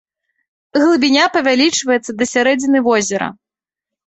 Глыбіня павялічваецца да сярэдзіны возера.